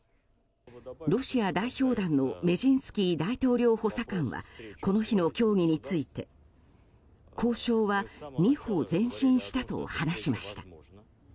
ロシア代表団のメジンスキー大統領補佐官はこの日の協議について交渉は２歩前進したと話しました。